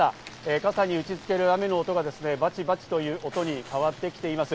傘に打ちつける雨の音がバチバチという音に変わってきています。